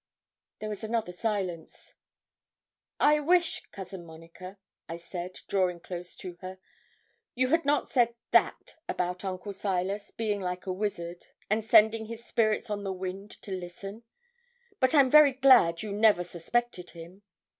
There was another silence. 'I wish, Cousin Monica,' I said, drawing close to her, 'you had not said that about Uncle Silas being like a wizard, and sending his spirits on the wind to listen. But I'm very glad you never suspected him.'